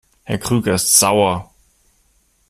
Herr Krüger ist sauer.